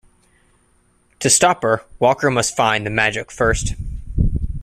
To stop her, Walker must find the magic first.